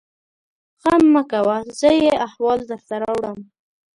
_غم مه کوه! زه يې احوال درته راوړم.